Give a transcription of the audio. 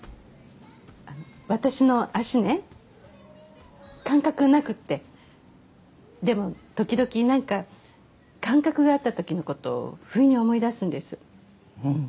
私の脚ね感覚なくってでも時々なんか感覚があったときのことをふいに思い出すんですうん